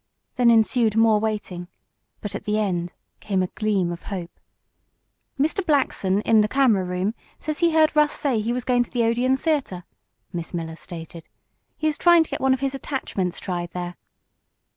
Then ensued more waiting, but at the end came a gleam of hope. "Mr. Blackson, in the camera room, says he heard Russ say he was going to the Odeon Theater," Miss Miller stated. "He is trying to get one of his attachments tried there."